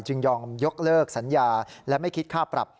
ยอมยกเลิกสัญญาและไม่คิดค่าปรับ